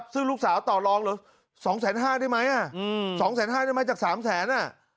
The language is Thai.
ซึ่งลูกสาวต่อรองหรือ๒๕๐๐๐๐บาทได้ไหมจากสามแสนบาท